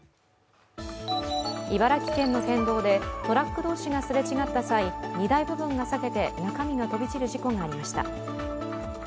茨城県の県道でトラック同士がすれ違った際、荷台部分が裂けて、中身が飛び散る事故がありました。